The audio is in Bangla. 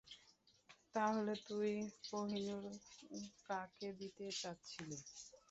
তাহলে তুই কোহিনূর কাকে দিতে চাচ্ছিলি?